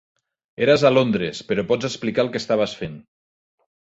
Eres a Londres, però pots explicar el que estaves fent.